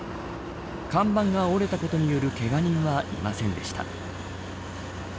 看板が折れたことによるけが人は、いませんでした。